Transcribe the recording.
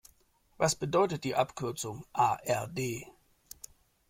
Was bedeutet die Abkürzung A-R-D?